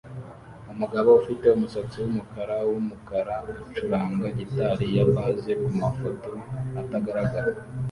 Umugabo ufite umusatsi wumukara wumukara acuranga gitari ya bass kumafoto atagaragara